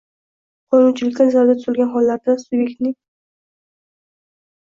qonunchilikda nazarda tutilgan hollarda subyektning